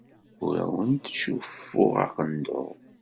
Ur awent-ttcuffuɣ aqendur.